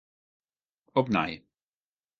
Opnij.